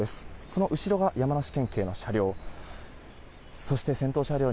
その後ろが山梨県警の車両。